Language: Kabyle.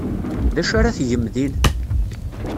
D acu ara tgem din?